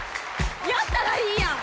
やったらいいやん！